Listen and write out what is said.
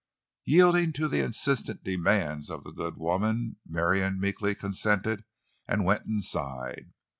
Yielding to the insistent demands of the good woman, Marion meekly consented and went inside.